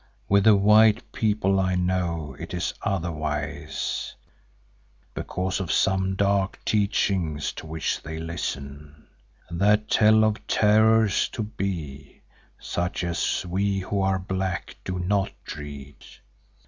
With the white people I know it is otherwise because of some dark teachings to which they listen, that tell of terrors to be, such as we who are black do not dread.